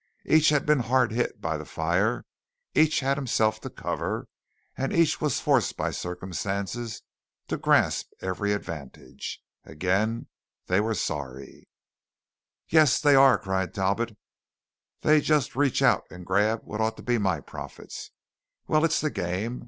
Each had been hard hit by the fire; each had himself to cover; each was forced by circumstances to grasp every advantage. Again, they were sorry. "Yes, they are!" cried Talbot; "they just reach out and grab what ought to be my profits! Well, it's the game.